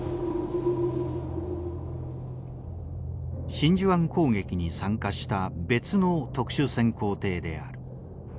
真珠湾攻撃に参加した別の特殊潜航艇である。